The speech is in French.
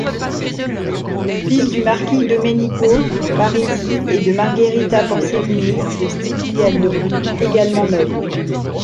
Fils du marquis Domenico Parisi et de Margherita Porcellini de Stigliano, également noble.